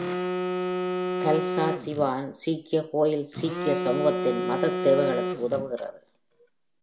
கல்சா திவான் சீக்கிய கோயில் சீக்கிய சமூகத்தின் மதத் தேவைகளுக்கு உதவுகிறது.